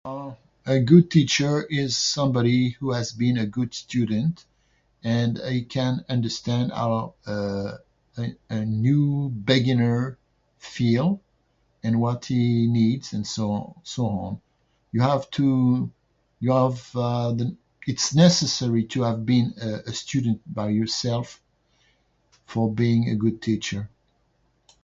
a good teacher is somebody who has been a good student, and they can understand our a a new beginner feel, and what he needs, and so on, and so on. You have to, you have the- it's necessary to have been a student by yourself for being a good teacher.